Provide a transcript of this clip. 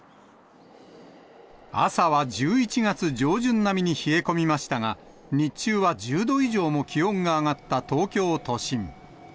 朝は１１月上旬並みに冷え込みましたが、日中は１０度以上も気温が上がった東京都心。